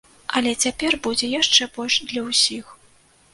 Але цяпер будзе яшчэ больш для ўсіх.